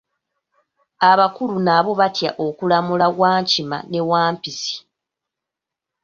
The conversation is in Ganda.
Abakulu nabo baatya okulamula Wankima ne Wampisi.